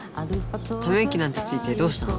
ため息なんてついてどうしたの？